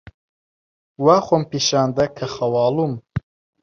وا خۆم پیشان دا کە خەواڵووم.